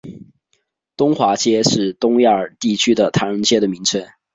中华街是东亚地区的唐人街的名称。